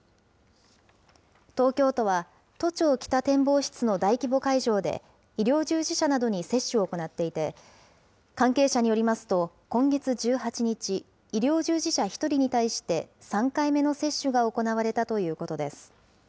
東京都は、都庁北展望室の大規模会場で、医療従事者などに接種を行っていて、関係者によりますと、今月１８日、医療従事者１人に対して、３回目の接種が行われたということです。